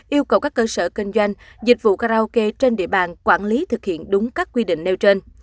yêu cầu các cơ sở kinh doanh dịch vụ karaoke trên địa bàn quản lý thực hiện đúng các quy định nêu trên